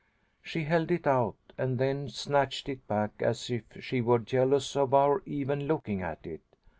She held it out, and then snatched it back as if she were jealous of our even looking at it.